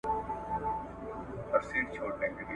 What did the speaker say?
له هر رنګه پکښي پټ ول فسادونه !.